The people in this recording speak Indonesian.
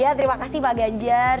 ya terima kasih pak ganjar